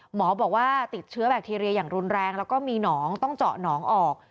หมอบอกว่าติดเชื้อแบคทีเรียอย่างรุนแรงแล้วก็มีหนองต้องเจาะหนองออก